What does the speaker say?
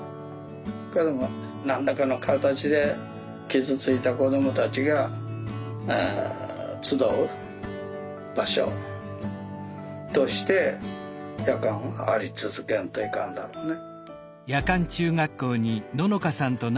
けども何らかの形で傷ついた子どもたちが集う場所として夜間はあり続けんといかんだろうね。